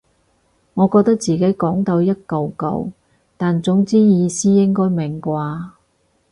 我覺得自己講到一嚿嚿但總之意思應該明啩